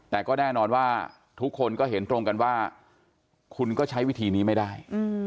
แต่ก็แน่นอนว่าทุกคนก็เห็นตรงกันว่าคุณก็ใช้วิธีนี้ไม่ได้